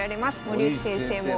森内先生も。